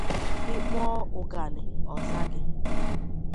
Ị kpọọ ụganị ọ za gị.